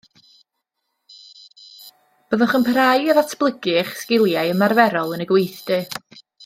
Byddwch yn parhau i ddatblygu eich sgiliau ymarferol yn y gweithdy.